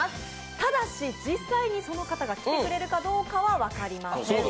ただし、実際にその方が来てくれるかどうかは分かりません。